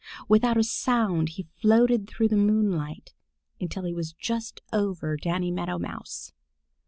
Without a sound he floated through the moonlight until he was just over Danny Meadow Mouse.